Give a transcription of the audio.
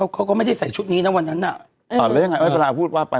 อ่ะเขาก็ไม่ได้ใส่ชุดนี้ทั้งวันนั้นอ่ะอ่าแล้วยังไงไว้เวลาพูดว่า